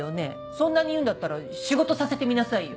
そんなに言うんだったら仕事させてみなさいよ。